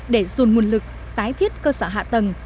để dồn nguồn lực tái thiết cơ sở hạ tầng